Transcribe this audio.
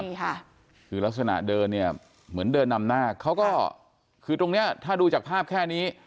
ใช่ค่ะคือลักษณะเดินเนี่ยเหมือนเดินนำหน้าเขาก็คือตรงเนี้ยถ้าดูจากภาพแค่นี้